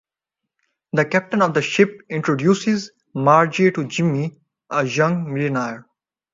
The captain of the ship introduces Margy to Jimmy, a young millionaire.